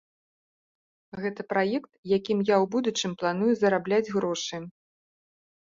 Гэта праект, якім я ў будучым планую зарабляць грошы.